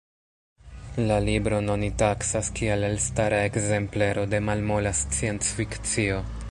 La libron oni taksas kiel elstara ekzemplero de malmola sciencfikcio.